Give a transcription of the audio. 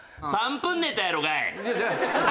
３分ネタやろがい！